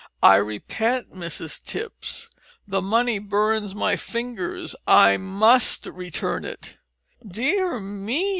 I repent, Mrs Tipps, the money burns my fingers, and I must return it." "Dear me!"